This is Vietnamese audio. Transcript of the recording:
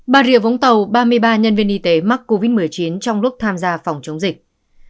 bà rịa vũng tàu ba mươi ba nhân viên y tế mắc covid một mươi chín trong lúc tham gia phòng chống dịch